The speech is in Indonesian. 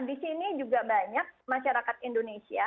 di sini juga banyak masyarakat indonesia